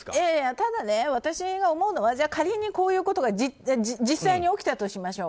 ただね、私が思うのは仮に、こういうことが実際に起きたとしましょう。